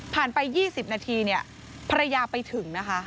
ผ่านไป๒๐นาทีภรรยาไปถึงนะคะ